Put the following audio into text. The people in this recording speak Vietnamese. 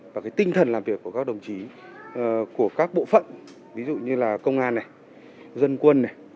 và cái tinh thần làm việc của các đồng chí của các bộ phận ví dụ như là công an này dân quân này